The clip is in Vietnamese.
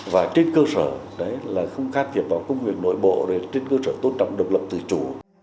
và trên cơ sở không khát kịp vào công việc nội bộ trên cơ sở tôn trọng độc lập tự chủ